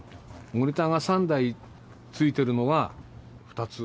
モニターが３台ついてるのは２つ。